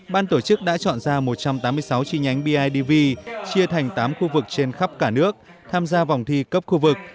ban tổ chức đã chọn ra một trăm tám mươi sáu chi nhánh bidv chia thành tám khu vực trên khắp cả nước tham gia vòng thi cấp khu vực